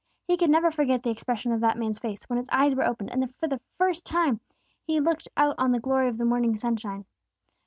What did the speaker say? He could never forget the expression of that man's face, when his eyes were opened, and for the first time he looked out on the glory of the morning sunshine.